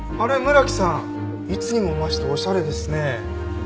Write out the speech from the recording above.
村木さんいつにも増しておしゃれですねえ。